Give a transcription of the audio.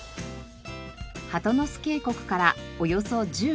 鳩ノ巣渓谷からおよそ１５分。